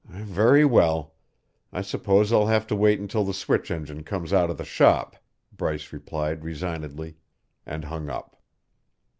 "Very well. I suppose I'll have to wait until the switch engine comes out of the shop," Bryce replied resignedly, and hung up.